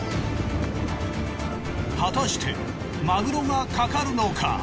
果たしてマグロが掛かるのか？